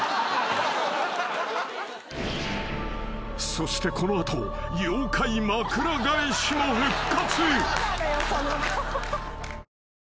［そしてこの後妖怪まくら返しも復活］